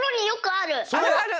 あるある！